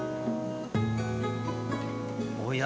おや？